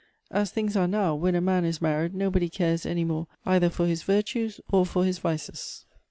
" As things are now, when a man is married nobody cares any more either for his virtues or for his vices."